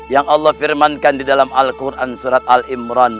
yang allah firmankan di dalam al quran surat al imran